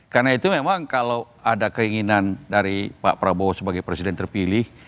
karena itu memang kalau ada keinginan dari pak prabowo sebagai presiden terpilih